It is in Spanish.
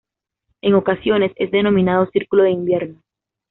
En ocasiones, es denominado círculo de invierno.